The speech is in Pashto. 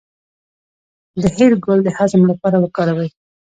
د هل ګل د هضم لپاره وکاروئ